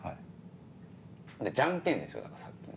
でじゃんけんですよだからさっきの。